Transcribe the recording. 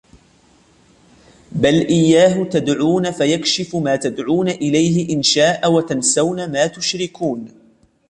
بل إياه تدعون فيكشف ما تدعون إليه إن شاء وتنسون ما تشركون